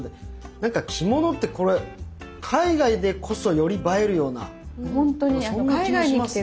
何か着物ってこれ海外でこそより映えるようなそんな気がしますね。